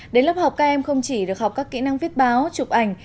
đến lớp học các em không chỉ được học các kỹ năng viết báo chụp ảnh